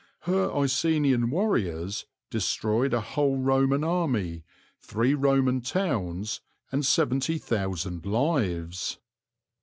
Her Icenian warriors destroyed a whole Roman army, three Roman towns, and seventy thousand lives.